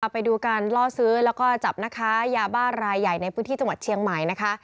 ไปดูการล่อซื้อแล้วก็จับนะคะยาบ้ารายใหญ่ในพื้นที่จังหวัดเชียงใหม่นะคะ